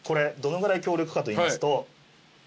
どのぐらい強力かといいますと。